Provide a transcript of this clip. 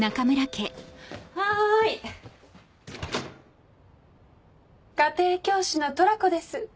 家庭教師のトラコです。